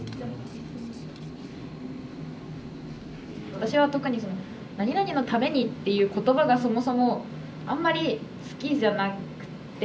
私は特にその「なになにのために」っていう言葉がそもそもあんまり好きじゃなくって。